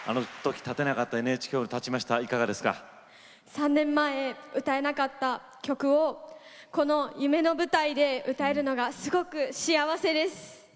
３年前歌えなかった曲をこの夢の舞台で歌えるのがすごく幸せです。